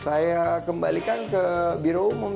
saya kembalikan ke biro umum